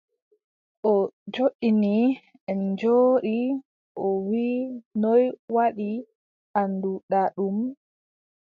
O joɗɗini, en njooɗi, o wii : noy waɗi annduɗa ɗum ?